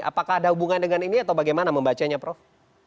apakah ada hubungan dengan ini atau bagaimana membacanya prof